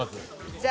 じゃあ。